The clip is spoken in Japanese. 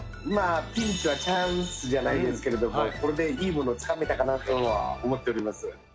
ピンチはチャンスじゃないですけれども、これでいいものつかめたかなっていうのは思っております。